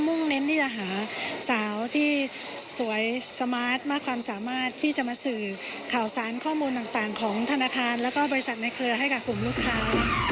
่งเน้นที่จะหาสาวที่สวยสมาร์ทมากความสามารถที่จะมาสื่อข่าวสารข้อมูลต่างของธนาคารแล้วก็บริษัทในเครือให้กับกลุ่มลูกค้า